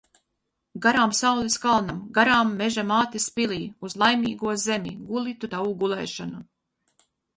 Garām saules kalnam, garām Meža mātes pilij. Uz Laimīgo zemi. Guli tu tavu gulēšanu!